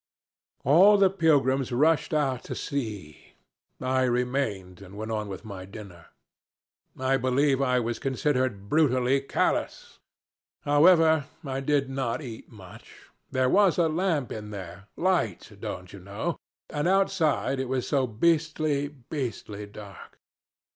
"All the pilgrims rushed out to see. I remained, and went on with my dinner. I believe I was considered brutally callous. However, I did not eat much. There was a lamp in there light, don't you know and outside it was so beastly, beastly dark.